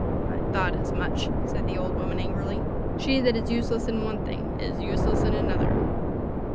'I thought as much,' said the old woman angrily; 'she that is useless in one thing is useless in another.